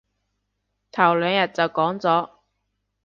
頭兩日就講咗